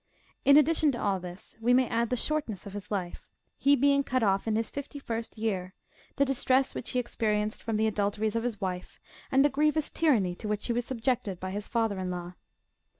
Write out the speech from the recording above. In addition to all this, we may add the shortness of his life, he being cut off in his fifty fii'st year, the distress which he experienced from the adulteries of his wife,^® and the grievous tyranny to which he was subjected by his father in law.